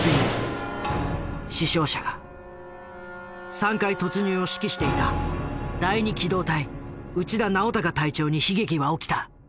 ３階突入を指揮していた第二機動隊内田尚孝隊長に悲劇は起きた。